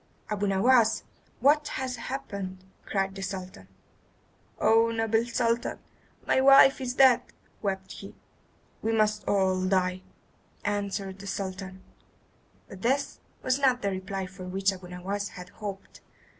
"Abu Nowas! What has happened?" cried the Sultan. "Oh, noble Sultan, my wife is dead," wept he. "We must all die," answered the Sultan; but this was not the reply for which Abu Nowas had hoped.